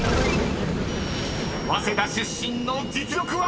［早稲田出身の実力は⁉］